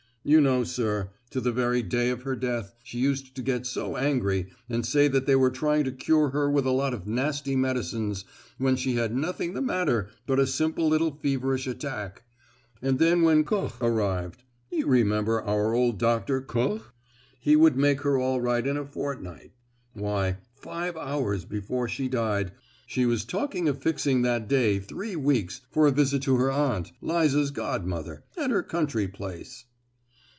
you know, sir—to the very day of her death she used to get so angry and say that they were trying to cure her with a lot of nasty medicines when she had nothing the matter but a simple little feverish attack; and that when Koch arrived (you remember our old doctor Koch?) he would make her all right in a fortnight. Why, five hours before she died she was talking of fixing that day three weeks for a visit to her Aunt, Liza's godmother, at her country place!"